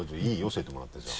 教えてもらってじゃあ。